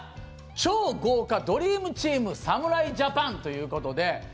超豪華ドリームチーム侍ジャパンということで。